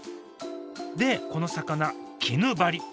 でこの魚キヌバリ。